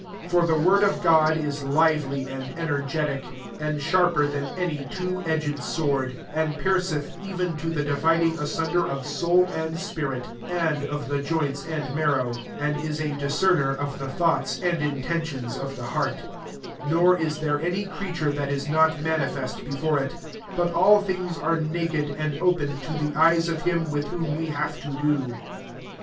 12 For the word of God ia lively and energetic, and sharp er than any two edged sword, and pierceth, even to the divid ing asunder of soul and spirit* and of the joints and marrow, and ia a discemerofthe thoughts and intentions of the heart : 13 nor is there any creature that is not manifest before it: but all thinga are naked and opened to the eyes of Him with whom we have to do.